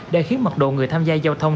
đã khiến mật độ người tham gia giao thông